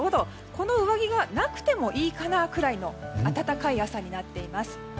この上着がなくてもいいかなくらいの暖かい朝になっています。